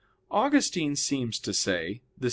Augustine seems to say (De Civ.